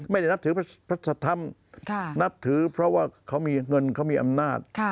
ไม่ได้นับถือพระธรรมนับถือเพราะว่าเขามีเงินเขามีอำนาจ